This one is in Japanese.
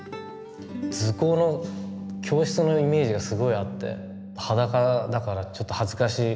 図工の教室のイメージがすごいあって裸だからちょっと恥ずかしい。